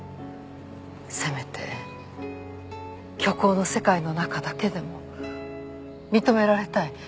せめて虚構の世界の中だけでも認められたい